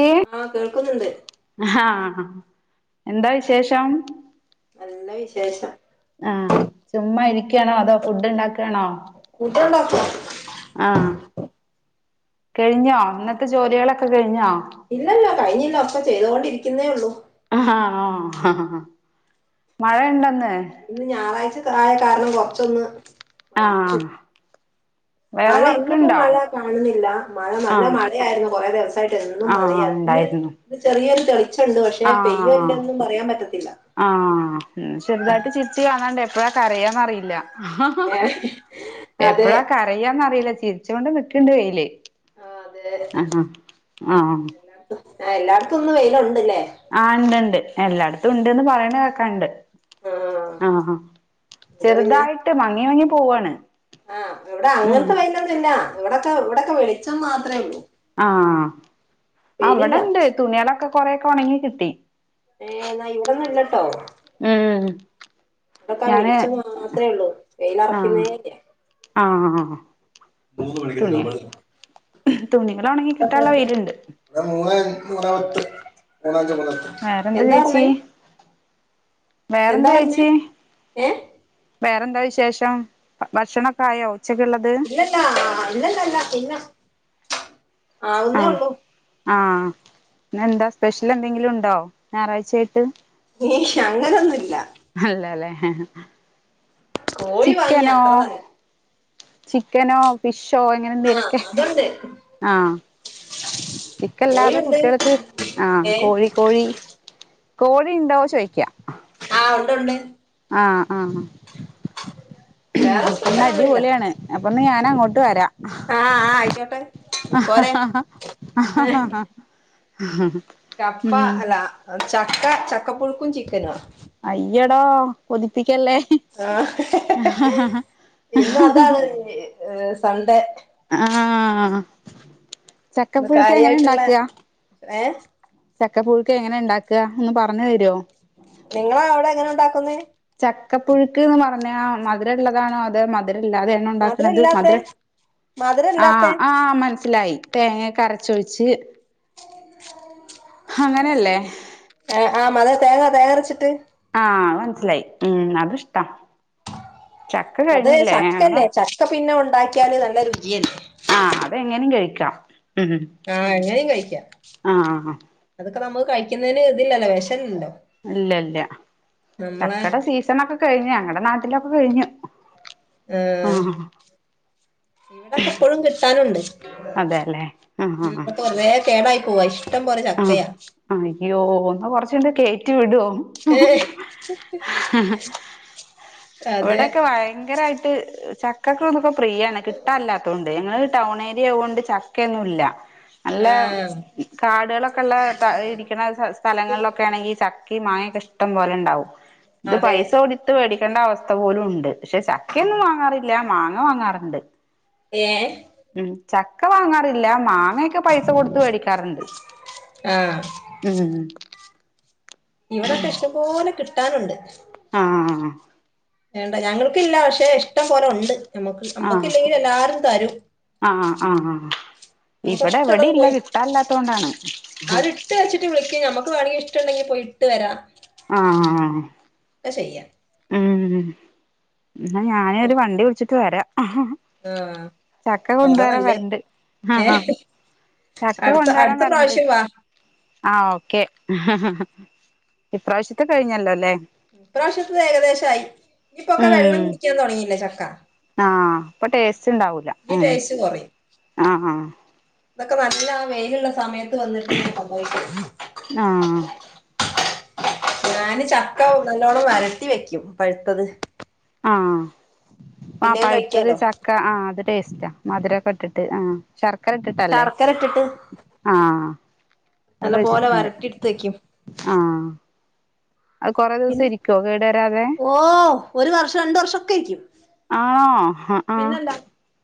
ഏഹ്? ആഹ് കേൾക്കുന്നുണ്ട്. ആഹ് എന്താ വിശേഷം? നല്ല വിശേഷം ആഹ് ചുമ്മാ ഇരിക്കാണോ അതോ ഫുഡ് ഇണ്ടാക്കാണോ? ഫുഡ്ണ്ടാക്കുവാ. ആഹ് കഴിഞ്ഞോ? ഇന്നത്തെ ജോലികളൊക്കെ കഴിഞ്ഞോ? ഇല്ലല്ല കഴിഞ്ഞില്ല ഒക്ക ചെയ്തുകൊണ്ടിരിക്കുന്നേ ഉള്ളൂ. ഹാണോ മഴ ഇണ്ടൊന്ന്? ഇന്ന് ഞായറാഴ്ചതായ കാരണം കൊറച്ചൊന്ന് മടിച്ചു ആഹ് മഴ ഇന്നിപ്പോ മഴ കാണുന്നില്ല മഴ നല്ല ആഹ് മഴയായിരുന്നു കൊറേ ദിവസായിട്ടെന്നും ആഹ് മഴയാര്ന്ന് ഇന്ന് ഉണ്ടായിരുന്നു ന്ന് ചെറിയൊരു തെളിച്ചണ്ട് പക്ഷെ പെയ്യോ ആഹ് ഇല്ലേന്നൊന്നും പറയാൻ പറ്റത്തില്ല. ആഹ് ചെറുതായിട്ട് ചിരിച് കാണാണ്ട്. എപ്പഴാ കരയാന്നറിയില്ല. ഏഹ് അതെ എപ്പഴാ ക കരയാന്നറീല്ല ചിരിച്ചൊണ്ട് നിക്ക്‌ണ്ട് വെയില് ആഹ് അതെ അഹാ ആഹ് എല്ലായിടത്തും ആഹ് എല്ലാടത്തും ഇന്ന് വെയിലുണ്ടല്ലേ? ആഹ് ഇണ്ട് ഇണ്ട് എല്ലായിടത്തും ഇണ്ട്ന്ന് പറയണ കേക്കാണ്ട്. ആഹ് ഹാ എന്തോ പിന്നെ ചെറുതായിട്ട് മങ്ങി മങ്ങി പോവാണ്. ആഹ് ഇവിടെ ഉം അങ്ങൻത്തെ വെയിലൊന്ന്ല്ല. ഇവിടൊക്കെ ഇവിടൊക്കെ വെളിച്ചം മാത്രേയുള്ളു. ആഹ് അവിടെണ്ട് തുണിയളൊക്കെ കൊറേക്കെ ഒണങ്ങി കിട്ടി. ഏഹ് എന്നാ ഇവിടൊന്നും ഇല്ലട്ടോ. ഉം ഇവിടക്കെ ആ ഞാന് വെളിച്ചം മാത്രേയുള്ളു ആഹ് വെയിലറക്കുന്നേയ്ല്ല. ആഹ് മൂന്ന് മണിക്ക് തിരുവമ്പാ [unintelligible] തുണികളൊണെങ്ങി കിട്ടാള്ള വെയിലുണ്ട്. ഞാൻ മൂന്നേ മൂന്നേ പത്ത് മൂന്നേ അഞ്ച് മൂന്നേ പത്ത് വേറെന്ത്‌ എന്താ ചേച്ചി? പറഞ്ഞേ വേറെന്ത എന്താ പറഞ്ഞേ ചേച്ചി? ഏ വേറെന്താ വിശേഷം? ഭക്ഷണൊക്കെ ആയോ ഉച്ചക്ക്ള്ളത്? ഇല്ല ഇല്ല [unintelligible] പിന്നെ ആവുന്നേ ആഹ് ഉള്ളൂ. ആഹ് ഇന്നെന്താ സ്പെഷ്യൽ എന്തെങ്കിലുണ്ടോ ഞായറാഴ്ചായിട്ട്? ഏയ് അങ്ങനൊന്നുല്ല. അല്ലലേ കോഴി വാങ്ങി ചിക്കനോ? അത്ര തന്നെ ചിക്കനോ ഫിഷോ ആ അങ്ങനെന്തെലൊക്കെ അതുണ്ട് ആഹ് ചിക്കല്ലാതെ കോഴിയുണ്ട് കുട്ടികൾക്ക് ആഹ് ഏ കോഴി കോഴി കോഴി ഉണ്ടോ ചോയ്ക്കാ? ആഹ് ഉണ്ടുണ്ട് ആഹ് ആഹ് വേറെ അപ്പൊന്ന സ്പെഷ്യലൊന്നുല്ല അടിപൊളിയാണ്. അപ്പന്ന് ഞാനങ്ങോട്ട് വരാം. ആ ആ ആയിക്കോട്ടെ പോരെ ഏ ഹാ കപ്പ അല്ല ചക്ക ചക്ക പുഴുക്കും ചിക്കനോ അയ്യടാ കൊതിപ്പിക്കല്ലേ ആഹ് ഇന്ന് അതാണ് ഇഞ്ഞി സൺഡേ ആഹ് ഇന്ന് ചക്കപ്പുഴുക്ക് എങ്ങനെ കാര്യായിട്ടുള്ള ഉണ്ടാക്ക ഏഹ് ചക്കപ്പുഴുക്ക് എങ്ങനെ ഉണ്ടാക്ക ഒന്ന് പറഞ്ഞു തരോ നിങ്ങളെ അവിടെ എങ്ങനെ ഉണ്ടാക്കുന്നെ ചക്കപ്പുഴുക്ക് എന്ന് പറഞ്ഞ മധുരള്ളതാണോ അതൊ മധുരല്ലാതെയാ ഉണ്ടാക്കണത് മധുരല്ലാത്തെ മധുരം മധുരല്ലാത്തെ ആഹ് ആഹ് മനസ്സിലായി തേങ്ങയൊക്കെ അരച്ചൊഴിച്ച് അങ്ങനെയല്ലേ ആഹ് ആഹ് മതുര തേങ്ങ തേങ്ങരച്ചിട്ട് ആഹ് മനസ്സിലായി ഉം അതിഷ്ടാ ചക്ക അത് കഴിഞ്ഞില്ലേ ഞങ്ങള് ചക്കല്ലേ ചക്ക പിന്നെ ഉണ്ടാക്കിയാല് നല്ല രുചിയല്ലേ ആഹ് അതെങ്ങനെയും കഴിക്കാം ഉം ആഹ് എങ്ങനെയും കഴിക്കാം ആഹ് അതൊക്കെ നമ്മുക്ക് കഴിക്കുന്നതിന് ഇതില്ലല്ലോ വെഷമില്ലല്ലോ ഇല്ല ഇല്ല ചക്ക ടെ സീസണൊക്കെ കഴിഞ്ഞു ഞങ്ങടെ നാട്ടിലൊക്കെ കഴിഞ്ഞു ഏഹ് ആഹ് ഇവിടൊക്കെ ഇപ്പോഴും കിട്ടാനുണ്ട് അതെല്ലേ ആഹ് ഉം ഇപ്പം ആഹ് കൊറേ കേടായി പോവാ ഇഷ്ടം പോലെ ചക്കയാ അയ്യോ ഒന്ന് കൊറച്ച് ഇങ്ങ് കേറ്റി വിടോ ഏഹ് ഇവിടേക്കെ ഭയ -ങ്കരായിട്ട് ചക്കൊക്കെ ഒന്നൊക്കെ പ്രിയാണ് കിട്ടായില്ലാത്തതുകൊണ്ട് ഞങ്ങള്ത് ടൗൺ ഏരിയ ആയോണ്ട് ചക്കയൊന്നും ഇല്ല നല്ല ആഹ് കാടുകളൊക്കെള്ള ഇരിക്കണ സ്ഥലങ്ങളിലൊക്കെ ആണെങ്കിൽ ചക്ക ക്കയും മാങ്ങായോക്കെ ഇഷ്ടം പോലെ ഉണ്ടാവും ഇത് അതെ പൈസ കൊടുത്ത് മേടിക്കേണ്ട അവസ്ഥ പോലും ഉണ്ട് പക്ഷെ ചക്കയൊന്നും വാങ്ങാറില്ല മാങ്ങ വാങ്ങാറുണ്ട് ഏഹ് ഉം ചക്ക വാങ്ങാറില്ല മാങ്ങയൊക്കെ പൈസ കൊടുത്ത് മേടിക്കാറുണ്ട് ആഹ് ഉം ഇവിടൊക്കെ ഇഷ്ടംപോലെ കിട്ടാനുണ്ട് ആഹ് ആഹ് വേണ്ട ഞങ്ങൾക്കില്ല പക്ഷെ ഇഷ്ടം പോലെ ഉണ്ട് ഞമ്മക്ക് ആഹ് നമ്മുക്കില്ലെങ്കിലും എല്ലാരും തരും ആഹ് ആഹ് ആഹ് നമുക്ക് ഇവിടെ എവിടെ ഇഷ്ടമുള്ളത് ഇല്ല കിട്ടല്ലാനില്ലാത്തോണ്ടാണ് ഇട്ടു വെച്ചിട്ട് വിളിക്ക്‌ ഞമക്ക്‌ വേണെങ്കിൽ ഇഷ്ടമുണ്ടെങ്കിൽ പോയിട്ട് വരാം ആഹ് ആഹ് ആഹ് അത് ശെരിയാ ഉം എന്നാ ഞാന് ഒരു വണ്ടി വിളിച്ചിട്ട് വരാം ആഹ് ചക്ക അതാ കൊണ്ടവരാൻ നല്ലേ വരണ്ട് ഏ ആഹ് ആഹ് ചക്ക അടുത്ത കൊണ്ടുവരാൻ അടുത്ത വരണ്ട് പ്രാവശ്യം വാ ആഹ് ഓക്കെ ഇപ്രാവശ്യത്തെ കഴിഞ്ഞല്ലോ അല്ലേ ഇപ്രാവശ്യത്തത് ഏകദേശം ആയി ഇനിയിപ്പൊക്കെ വെള്ളം ഉം കുടിക്കാൻ തുടങ്ങിയില്ലേ ചക്ക ആഹ് ഇപ്പൊ ടേസ്റ്റ് ഉണ്ടാവൂല ഈ ഉം ടേസ്റ്റ് കുറയും ആഹ് ആഹ് ഇതൊക്കെ നല്ല ആ വെയിലുള്ള സമയത്ത് വന്നിട്ട് കൊണ്ടോയിക്കോ ആഹ് ഞാന് ചക്ക നല്ലോണ്ണം വരട്ടി വെക്കും പഴുത്തത് ആഹ് ആ പിന്നെയും പഴുത്തത് കഴിക്കാലോ ച ക്ക ആഹ് അത് ടേസ്റ്റാ മധുരമൊക്കെ ഇട്ടിട്ട് ആഹ് ശർക്കര ഇട്ടിട്ടല്ലേ ശർക്കര ഇട്ടിട്ട് ആഹ് അത് നല്ല പോലെ കഴിച്ചിട്ടുണ്ട് വരട്ടി എടുത്ത് വെക്കും ആഹ് അത് കൊറേ ദിവസം പിന്നെ ഇരിക്കുവോ കേടു വരാതെ ഓ ഒരു വർഷം രണ്ട് വർഷൊക്കെ ഇരിക്കും ആണോ ആഹ് ആഹ്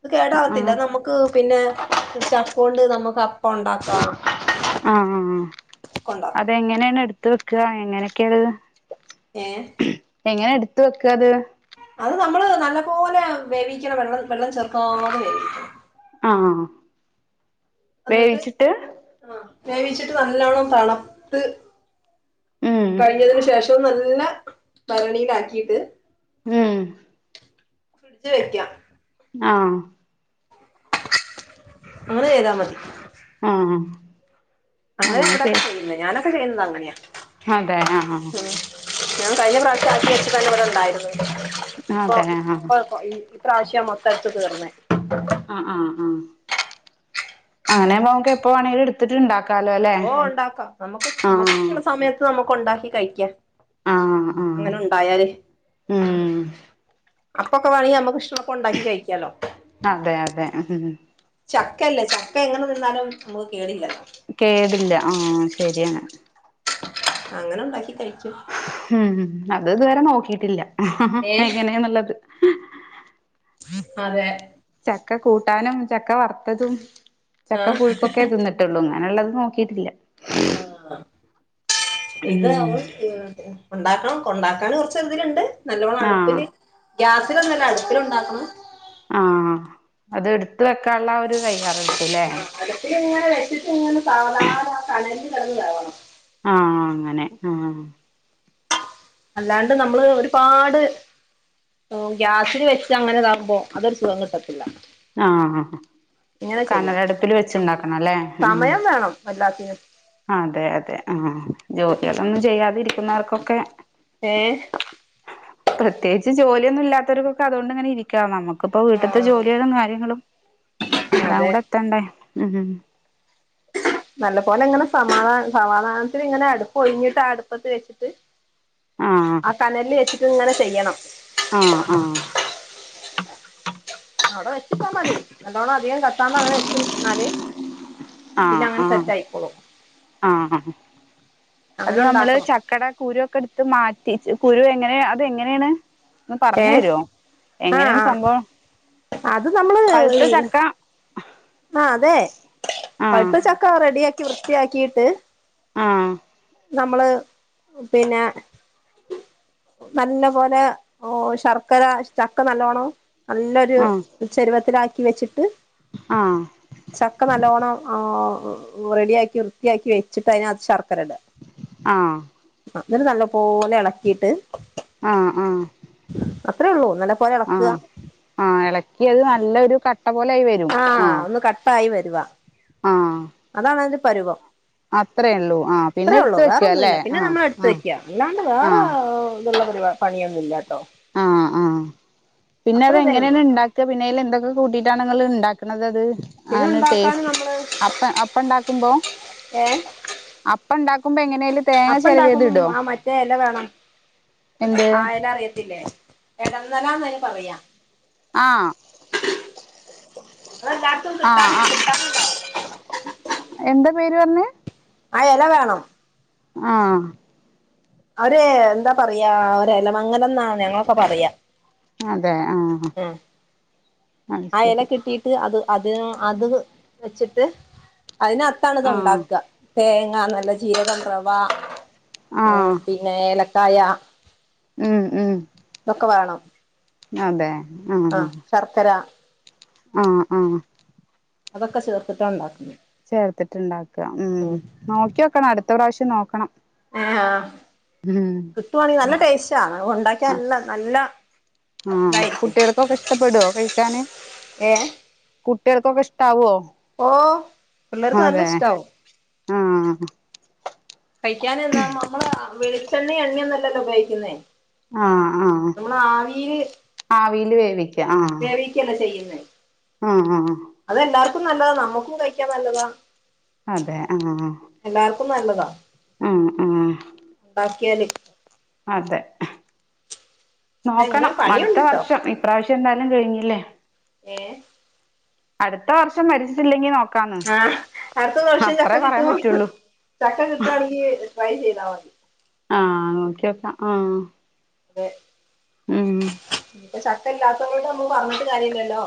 അത് കേടാവത്തില്ല ആഹ് നമുക്ക് പിന്നെ ചക്കകൊണ്ട് നമുക്ക് അപ്പം ഉണ്ടാക്കാം ആഹ് ഒക്കെ ഉണ്ടാക്കാം അതെങ്ങനെയാണ് എടുത്ത് വെക്കുക എങ്ങനെയൊക്കെയാണത് ഏഹ് എങ്ങനെ എടുത്ത് വെക്കാത് അത് നമ്മള് നല്ല പോലെ വേവിക്കണം. വെള്ളം വെള്ളം ചേർക്കാതെ വേവിക്കണം. ആഹ് അന്നിട്ട് വേവിച്ചിട്ട് ആഹ് വേവിച്ചിട്ട് നല്ലോണ്ണം തണത്ത് ഉം കഴിഞ്ഞതിന് ശേഷം നല്ല ഭരണിലാക്കിയിട്ട് ഉം ഫ്രഡ്‌ജി വെയ്ക്യ. ആഹ് അങ്ങനെ ചെയ്താ മതി. ആഹ്. അങ്ങനെ ഇവിടെക്കെ ചെയ്യുന്നെ. ഞാനൊക്കെ ചെയ്യുന്നതങ്ങനെയാ. അതെ ആഹ് ആഹ് ഞാൻ കഴിഞ്ഞ പ്രാവിശ്യം ആക്കി വെച്ചത് അഹേന്നെ ഇവിടെ ണ്ടായിരുന്നു. ഇപ്പോ അതെ ആഹ് ആഹ് ഇപ്പോ കൊ ഇ പ്രാവശ്യ മൊത്തെടുത്ത് തീർന്നെ. ആഹ് ആഹ് ആഹ്. അങ്ങനെ പോമക്ക് എപ്പോ വേണെലും എടുത്തിട്ട് ണ്ടാ - ബോണ്ടാക്കാം. നമ്മക്ക് നമ്മക്ക് ആഹ് ഷ്ടള്ള സമയത്ത് നമ്മക്ക് ണ്ടാക്കി കഴിക്കാം. ആഹ് ആഹ് അങ്ങനെ ണ്ടായാല്. ഉം അപ്പോക്കെ വേണെങ്കി നമ്മക്ക് ഇഷ്ട്ടോള്ളപ്പോ ഒണ്ടാക്കി കഴിക്കാലോ. അതെഅതെ ഉം ഉം ചക്കല്ലേ ചക്ക എങ്ങനെ തിന്നാലും മ്മുക്ക് കേടില്ല - കേടില്ല. ആഹ് ശരിയാണ്. അങ്ങനെ ഒണ്ടാക്കി കഴിക്കും. ഉം ഉം അത് ഇതുവരെ നോക്കിട്ടില്ല. ഏ എങ്ങനെന്ന്ള്ളത്. അതെ. ചക്ക കൂട്ടാനും ചക്ക വർത്തതും ചക്ക ആഹ് പുഴുക്കൊക്കെതിന്നിട്ട് ട്ടോള്ളു. അങ്ങനെള്ളത് നോക്കിയിട്ടില്ല. ആഹ് ആഹ്. ഇത് ഉം അവള് ഹെഹ് ഒണ്ടാക്കണെ കൊണ്ടാക്കാൻ കൊറച്ച്തിലിണ്ട്. നല്ലോണം ആഹ് അടുപ്പില് ഗ്യാസിലൊന്നല്ലാ. അടുപ്പില് ഒണ്ടാക്കണം. ആഹ് അത് എട്ത്ത് വെക്കാനുള്ള ആഹ് ഒരു തയ്യാറെടുപ്പ് ലെ ഇത് ഇങ്ങനെ വെച്ചിട്ട് ഇങ്ങനെ സാധാ ആഹ് കനലിൽ കിടന്ന് വേവണം. ആഹ് അങ്ങനെ ആഹ് അല്ലാണ്ട് നമ്മള് ഒരുപാട് ഓം ഗ്യാസില് വെച്ച് അങ്ങനെതാകുമ്പോ അതൊരു സുഖം കിട്ടത്തില്ല. ആഹ് ഇങ്ങനെ ചെയ്യണം കനരടുപ്പില് വെച്ചുണ്ടാക്കണം. അല്ലെ ഉം ഉം വല്ലാത്തിർ അതെ അതെ ആഹ് ജോലികളൊന്നും ചെയ്യാതെരിക്കുന്നവർക്കൊക്കെ ഏഹ് പ്രത്യേകിച്ച് ജോലിയൊന്നും ഇല്ലത്തോര്ക്കൊക്കെ അതുകൊണ്ടിങ്ങനെ ഇരി ക്യ. നമ്മുക്കിപ്പോ വീട്ടിത്തെ ജോലികളും കാര്യങ്ങളും എല്ലാം അതെ കൂടെ എത്തേണ്ടെ. ഉം ഉം നല്ലപോലെ ഇങ്ങനെ സമാധാന സമാധാനത്തിലിങ്ങനെ അടുപ്പ് ഒഴിഞ്ഞിട്ട് ആഹ് അടുപ്പത്ത് വെച്ചിട്ട് ആഹ് കനലിൽ വെച്ചിട്ട്ങ്ങനെ ചെയ്യണം. ആഹ് ആഹ് അവിടെ വെച്ചിട്ടാ മതി. എല്ലോണം അധികം കത്താണ്ട് അങ്ങനെ വെച്ചിന്നാല് ആഹ് ആഹ് ആഹ് അത് അങ്ങനെ നമ്മള് ഉണ്ടാക്കണം ചക്കട കുരുവൊക്കെടുത്ത് മാറ്റി. ച്ച് കുരു എങ്ങനെയ അത് എങ്ങനെണ്. ഒന്ന് ഏ പർണ്ണരൊ. ആഹ് എങ്ങനെയാണ് ആഹ് സംബവം. അത് നമ്മള് ആഹ് അതെ ആഹ് പഴുത്ത ച ക്ക റെഡിയാക്കി വൃത്തിയാക്കിട്ട് ആഹ് നമ്മള് പിന്നേ നല്ല പോലെ ഓ ശർക്കര ചക്ക നല്ലോണം നല്ലൊരു ആഹ് ചെരുവത്തിലാക്കി വെച്ച്ട്ട് ആഹ് ചക്ക നല്ലോണ്ണം ആഹ് റെഡിയാക്കി വൃത്തിയാക്കി വെച്ചിട്ട് അയ്നകത് ശർക്കര ഇടാ ആഹ് അഹ് ന്നട്ട് നല്ല പോലെ എളക്കിയിട്ട് ആഹ് ആഹ് അത്രെ ഒള്ളൂ നല്ല പോലെ എളക്കാ ആഹ് ആഹ് എളക്കിയഹ് നല്ലൊര് കട്ട പോലായി വെരും ആഹ് അത് കട്ടായി വരുവാ ആഹ് അതാണ് അതിന്റെ പരുവം അത്രേ ഉള്ളൂ ആഹ് പിന്നെ അത്രേ ഒ ള്ളൂ എടുത്ത് വെക്കുക വേറൊന്നു അല്ലേ ഇല്ല പിന്നെ ആഹ് ഞമ്മളെട്ത്ത് ആഹ് വെക്കാ അല്ലാണ്ട് വേറേ ആഹ് എഹ് ഇത്ള്ള പരിവ പണിയൊന്നും ഇല്ലാട്ടോ ആഹ് ആഹ് പിന്നെ അത് ഇതേ ഉള്ളൂ എങ്ങനേണ് ഇണ്ടാക്കാ പിന്നെ അയ്ല് എന്തെക്കെ കൂട്ടിയിട്ടാണ് ഇങ്ങള് ഇണ്ടാക്ക്ണത് അത് പിന്നെ അങ്ങനൊരു ഉണ്ടാക്കാന് ടേസ്റ്റ് നമ്മള് അപ്പ അപ്പം ഇണ്ടാക്കുമ്പോ ഏഹ് അപ്പം ഇണ്ടാക്കുമ്പൊ എങ്ങനേലും അപ്പം ഇണ്ടാക്കുമ്പം ആ മറ്റേ എല വേണം എന്ത് ആ എല അറിയത്തില്ലേ എടന്നെലാന്നാ അയ്‌ന് പറയാ ആഹ് അതെല്ലായിടത്തും കിട്ടാൻ ആഹ് അഹ് കിട്ടാനുണ്ടാവും എന്ത പേര് പർഞ്ഞ് ആ എല വേണം ആഹ് അവ്ടെ എന്താ പറയാ ഒരെലമങ്ങലം ന്നാ ഞങ്ങളൊക്കെ പറയാ അതെ ആഹ് ഹാ ഉം അത് ശരി ത്ത് അത് അതിന് അത് വെ വെച്ച്ട്ട് അയ്നകത്താണ് ഇത് ആ ഇണ്ടാക്കാ തേങ്ങ, നല്ല ജീരകം, റവ ആ ഉം പിന്നെ ഏലക്കായ ഉം ഉം ഇതൊക്കെ വേണം അതെ ആഹ് ശർക്കര ആഹ് ആഹ് അതൊക്കെ ചേർത്തിട്ടാണ് ഇണ്ടാക്ക്ന്ന് ചേർത്ത്ട്ട് ഇണ്ടാക്കാ ഉം നോക്ക്യോക്കണം അട്ത്ത പ്രാവശ്യം നോക്കണം ഉം ന്ന് ആഹ് ഉം കിട്ടുവാണെങ്കി നല്ല ടേസ്റ്റാ അഹ് ഉണ്ടാക്കിയ നല്ല നല്ല ങ്ങ് ആഹ് ഇതായിരിക്കും കുട്ടികൾക്കൊക്കെ ഇഷ്ടപ്പെടോ കഴിക്കാന് ഏ കുട്ടികൾക്കൊക്കെ ഇഷ്ടാവോ ഓഹ് പിള്ളേർക്ക് നല്ല അതെ ഇഷ്റ്റാവും ആഹ് ഹാ ഹാ കഴിക്കാതിര്ന്നാ മമ്മള് വെളിച്ചെണ്ണയും എണ്ണ്യന്നൊല്ലല്ലോ ഉപയോഗിക്കുന്നേ നമ്മള് ആവിയില് ആവിയില് വേവി വേവിക്ക്യല്ല ചെയ്യുന്നേ ആഹ് ആഹ് ആഹ് അതെല്ലാർക്കും നല്ലതാ നമ്മുക്കും കഴിക്കാൻ നല്ലതാ അതെ ആഹ് എല്ലാർക്കും നല്ലതാ ആഹ് ആഹ് ബാക്കിയല് അതെ ഇന്ന് നോക്കണം അടുത്ത പണിയുണ്ട് ട്ടോ വർഷം ഇപ്രാവശ്യം എന്തായാലും കഴിഞ്ഞില്ലേ ഏഹ് അടുത്ത വർഷം മരിച്ചില്ലെങ്കി നോ ആഹ് അടുത്ത വർഷം ചക്ക പറയാൻ കിട്ടു പറ്റുള്ളൂ ചക്ക കിട്ടാണെങ്കി ട്രൈ ചെയ്താ മതി ആഹ് നോക്കി നോക്കാം ആ അതെ ഉം പിന്നെ ചക്ക ഇല്ലാത്തത് കൊണ്ട് നമ്മക്ക് പറഞ്ഞിട്ട് കാര്യല്ലല്ലോ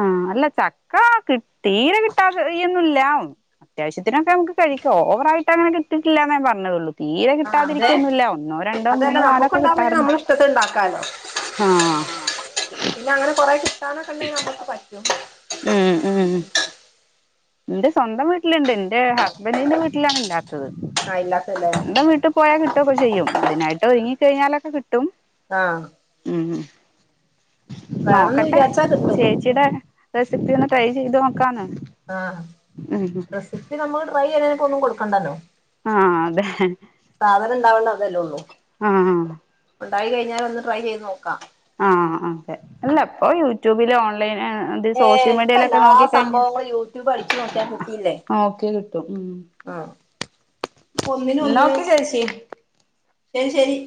ആഹ് അല്ല ചക്ക കി തീരെ കിട്ടാ [unintelligible] ന്നും ഇല്ല അത്യാവ്യത്തിനൊക്കെ നമുക്ക് കഴിക്കാം ഓവറയിട്ട്ങ്ങനെ കിട്ടിയിട്ടില്ലാന്നെ ഞാൻ പറഞ്ഞതൊള്ളൂ തീരെ ആഹ് അതെ കിട്ടാതിരിക്കുവൊന്നുല്ല ഒന്നോ രണ്ടോ അതല്ല മൂന്നോ നാലോ ഒക്കെ നമ്മുക്കുണ്ടാവുമ്പോ ഇനി കിട്ടാറുണ്ട് നമ്മളെ ഇഷ്ടത്തിന് ഇണ്ടാക്കാലോ ആഹ് [inaudible] പിന്നെ അങ്ങനെ കുറെേ കിട്ടാനൊക്കെ ഉണ്ടെങ്കി നമുക്ക് പറ്റും ഉം ഉം ഇന്റെ സ്വന്തം വീട്ടിലുണ്ട് ഉന്റെ ഹസ്ബന്റിന്റെ വീട്ടിലാണ് ഇല്ലാത്തത് ആഹ് ഇല്ലാത്തല്ലേ സ്വന്തം വീട്ടിൽ പോയാൽ കിട്ടു ഒക്കെ ചെയ്യും അതിനായിട്ട് ഒരുങ്ങി കഴിഞ്ഞാലൊക്കെ കിട്ടും ആഹ് ഉം വേണംന്ന് നോക്കട്ടെ വിചാരിച്ചാ കിട്ടും ചേ ച്ചിടെ റെസിപ്പി ഒന്ന് ട്രൈ ചെയ്ത് നോക്കാന്ന് ആഹ് ഉം റെസിപ്പി നമ്മുക്ക് ട്രൈ ചെയ്യുന്നതിനെ കൊണ്ട് ഒന്നും കൊടുക്കണ്ടല്ലോ ആഹ് അതെ സാധനം ഇണ്ടാവണ്ട അതെല്ലേ ഉള്ളു ആഹ് ഉണ്ടായി കഴിഞ്ഞാൽ ഒന്ന് ട്രൈ ചെയ്ത് നോക്കാം ആഹ് ആഹ് അതെ അല്ല ഇപ്പൊ യൂട്യൂബില് ഓൺലൈന് ഏഹ് ഇപ്പ എല്ലാ സംഭവങ്ങളും യൂട്യൂബ് അടിച്ചു നോക്കിയാല് കിട്ടിയില്ലേ നോക്കി കിട്ടും ഉം ആഹ് ഇപ്പൊ ഒന്നിനു ന്നാ ഒന്നിനു ഓക്കെ ചേച്ചി ശരി ശരി